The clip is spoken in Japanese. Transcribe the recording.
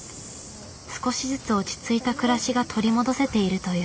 少しずつ落ち着いた暮らしが取り戻せているという。